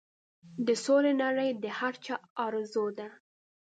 د سولې نړۍ د هر چا ارزو ده.